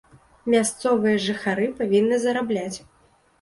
Мясцовыя жыхары павінны зарабляць.